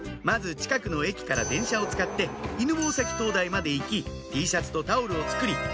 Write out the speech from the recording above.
まず近くの駅から電車を使って犬吠埼灯台まで行きＴシャツとタオルを作り